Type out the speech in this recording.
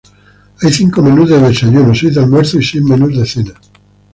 Hay cinco menús de desayuno, seis de almuerzo y seis menús de cena.